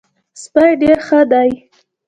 سپی ډېر ښه دی.